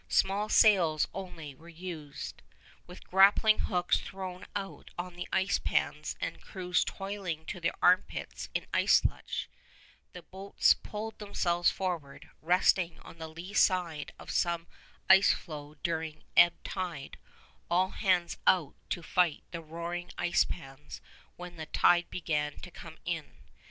Small sails only were used. With grappling hooks thrown out on the ice pans and crews toiling to their armpits in ice slush, the boats pulled themselves forward, resting on the lee side of some ice floe during ebb tide, all hands out to fight the roaring ice pans when the tide began to come in.